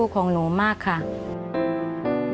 สุดท้าย